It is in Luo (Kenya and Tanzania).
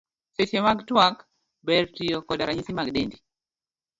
Seche mag twak, ber tiyo koda ranyisi mag dendi.